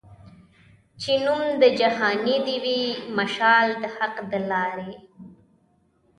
چي نوم د جهاني دي وي مشال د حق د لاري